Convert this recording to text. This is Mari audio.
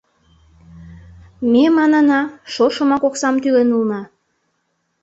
— Ме, манына, шошымак оксам тӱлен улына...